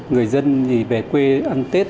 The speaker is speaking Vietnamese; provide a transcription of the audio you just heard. người dân về quê ăn tết